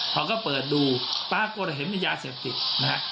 เขาก็เปิดดูป้ากฎเห็นยาเสพติฯนะฮะ